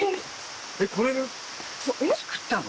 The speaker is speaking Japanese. えっこれ作ったの？